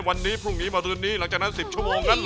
วันนี้พรุ่งนี้มารืนนี้หลังจากนั้น๑๐ชั่วโมงนั้น